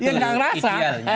dia gak ngerasa